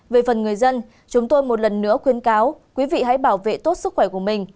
về phần người dân chúng tôi một lần nữa khuyến cáo quý vị hãy bảo vệ tốt sức khỏe của mình